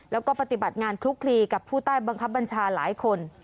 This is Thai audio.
แล้วก็ปฏิบัติงานคลุกคลีกับผู้ใต้บังคับบัญชาหลายคน